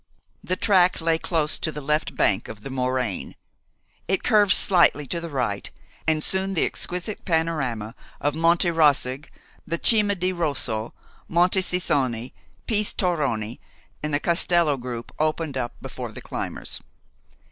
The track lay close to the left bank of the moraine. It curved slightly to the right and soon the exquisite panorama of Monte Roseg, the Cima di Rosso, Monte Sissone, Piz Torrone, and the Castello group opened up before the climbers.